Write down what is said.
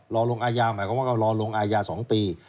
รอลงอายาหมายความว่าก็รอลงอาญา๒ปี